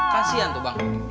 kasian tuh bang